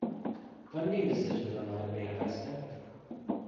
Funding decisions are not made by staff.